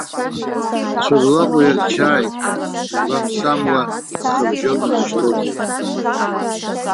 Цәаблаҟ уирчааит, угәам-самуа ҵхыбжьон узышьҭоузеи.